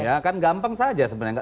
ya akan gampang saja sebenarnya